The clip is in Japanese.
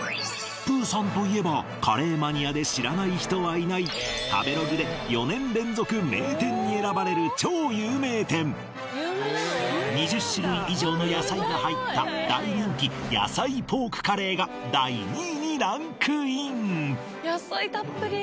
プーさんといえばカレーマニアで知らない人はいない食べログで４年連続名店に選ばれる超有名店２０種類以上の野菜が入った大人気野菜ポークカレーが第２位にランクイン